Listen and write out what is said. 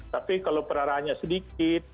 tapi kalau perarahannya sedikit